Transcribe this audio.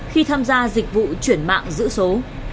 khi tham gia dịch vụ chuyển mạng giữ số